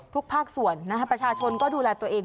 ทุกภาคส่วนนะครับประชาชนก็ดูแลตัวเอง